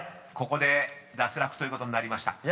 ［ここで脱落ということになりました］